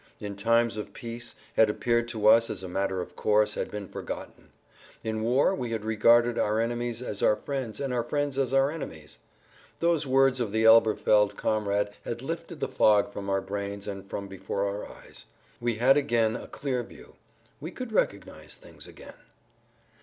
—in times of peace, had appeared to us as a matter of course had been forgotten; in war we had regarded our enemies as our friends and our friends as our enemies. Those words of the Elberfeld comrade had lifted the fog from our brains and from before our eyes. We had again a clear view; we could recognize things again.